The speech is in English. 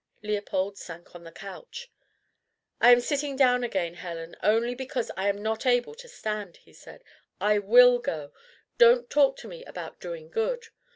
Leopold sank on the couch. "I am sitting down again, Helen, only because I am not able to stand," he said. "I WILL go. Don't talk to me about doing good!